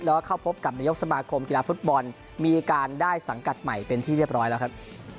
แล้วก็เข้าพบกับนายกสมาคมกีฬาฟุตบอลมีการได้สังกัดใหม่เป็นที่เรียบร้อยแล้วครับ